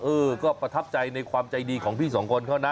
เออก็ประทับใจในความใจดีของพี่สองคนเขานะ